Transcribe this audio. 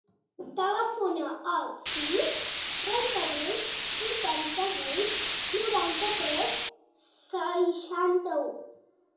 Telefona al sis, trenta-vuit, vuitanta-vuit, noranta-tres, seixanta-u.